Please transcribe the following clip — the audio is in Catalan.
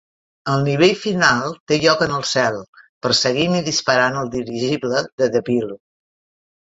El nivell final té lloc en el cel perseguint i disparant el dirigible de Deville.